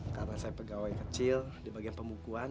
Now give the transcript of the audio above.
karena saya pegawai kecil di bagian pemukuan